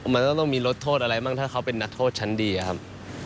มันจะต้องมีลดโทษอะไรบ้างถ้าเขาเป็นนักโทษชั้นดีครับ